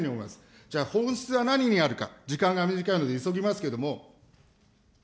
じゃあ、本質は何にあるか、時間が短いので急ぎますけれども。